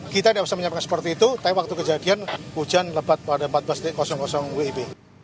kita tidak bisa menyampaikan seperti itu tapi waktu kejadian hujan lebat pada empat belas wib